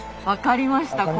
分かりました？